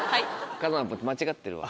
風間ぽん間違ってるわ。